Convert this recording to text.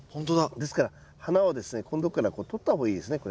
ですから花はここんとこから取った方がいいですねこれ。